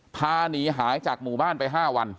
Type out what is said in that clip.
พาหนีหายจากหมู่บ้านไป๕วัน